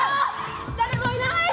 「誰もいない！」。